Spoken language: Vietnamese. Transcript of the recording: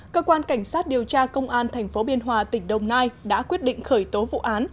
cơ quan cảnh sát điều tra công an tp biên hòa tỉnh đồng nai đã quyết định khởi tố vụ án